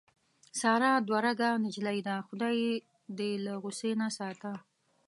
ساره دوه رګه نجیلۍ ده. خدای یې دې له غوسې نه ساته.